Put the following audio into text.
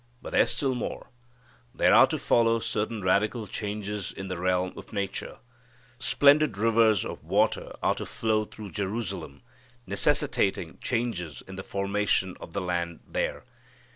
But there's still more. There are to follow certain radical changes in the realm of nature. Splendid rivers of water are to flow through Jerusalem, necessitating changes in the formation of the land there.